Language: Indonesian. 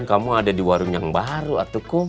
kira kamu ada di warung yang baru atukum